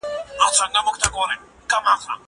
زه پرون د زده کړو تمرين کوم!!